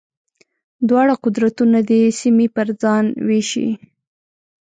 دواړه قدرتونه دې سیمې پر ځان وېشي.